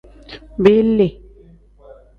Biili.